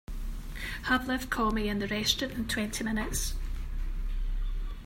Have Liv call me in the restaurant in twenty minutes.